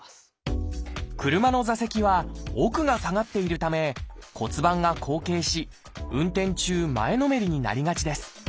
車の座席は奥が下がっているため骨盤が後傾し運転中前のめりになりがちです。